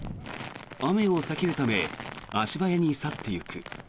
雨を避けるため足早に去っていく。